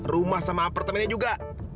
rumah sama apartemennya juga